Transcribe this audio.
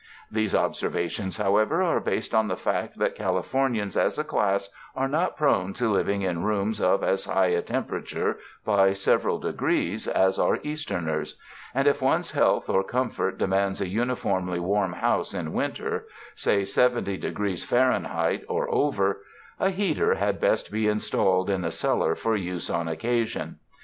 These ob servations, however, are based on the fact that Cali fornians as a class are not prone to living in rooms of as high a temperature by several degrees, as are Easterners; and if one's health or comfort demands a uniformly warm house in winter — say 70 degrees Fahrenheit or over— a heater had best be installed in the cellar for use on occasion.